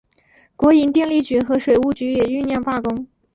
国营电力局和水务局也酝酿罢工。